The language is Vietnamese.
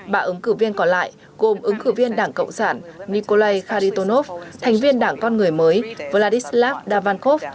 ba ứng cử viên còn lại gồm ứng cử viên đảng cộng sản nikolai kharitonov thành viên đảng con người mới vladislav davankov